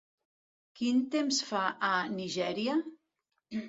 Quin temps fa a Nigèria?